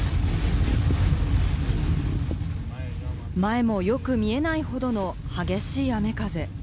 前もよく見えないほどの激しい雨風。